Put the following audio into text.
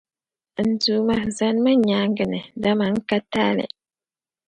N Duuma, zanimi n nyaaŋa ni, dama n ka taali.